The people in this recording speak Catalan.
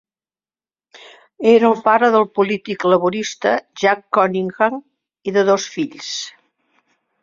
Era el pare del polític laborista Jack Cunningham i de dos fills.